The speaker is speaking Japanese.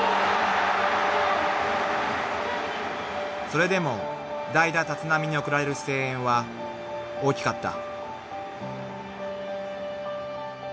［それでも代打立浪に送られる声援は大きかった］